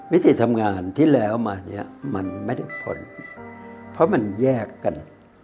ติทำงานที่แล้วมาเนี่ยมันไม่ได้ผลเพราะมันแยกกัน